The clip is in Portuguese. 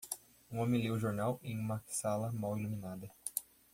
Um homem lê o jornal em uma sala mal iluminada.